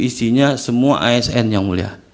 isinya semua asn yang mulia